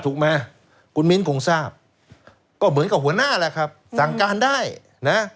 ถูกไหมคุณมิ้นคงทราบก็เหมือนกับหัวหน้าแหละครับสั่งการได้นะ